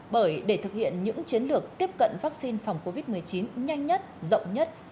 bởi để thực hiện những chiến lược tiếp cận vaccine phòng covid một mươi chín nhanh nhất rộng nhất